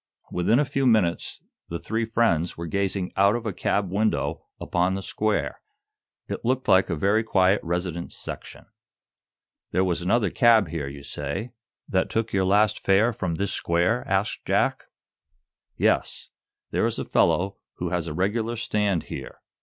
Within a very few minutes the three friends were gazing out of a cab window upon the square. It looked like a very quiet residence section. "There was another cab here, you say, that took your last 'fare' from this square?" asked Jack. "Yes; there is a fellow who has a regular stand here.